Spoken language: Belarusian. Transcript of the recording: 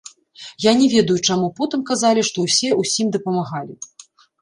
Я не ведаю, чаму потым казалі, што ўсе ўсім дапамагалі!